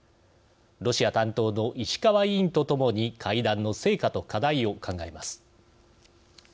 ロシア担当の石川委員とともに会談の成果と課題を考えます。